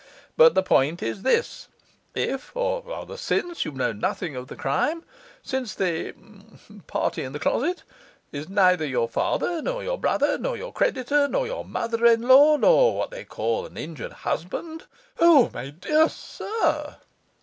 But the point is this: If or rather since you know nothing of the crime, since the the party in the closet is neither your father, nor your brother, nor your creditor, nor your mother in law, nor what they call an injured husband ' 'O, my dear sir!